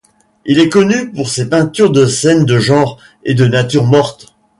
Il est connu pour ses peintures de scènes de genre, et de natures mortes.